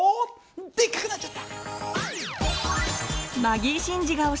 でっかくなっちゃった！